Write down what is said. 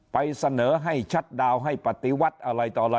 ไปเสนอให้ชัดดาวน์ให้ปฏิวัติอะไรต่ออะไร